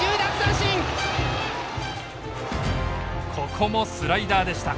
ここもスライダーでした。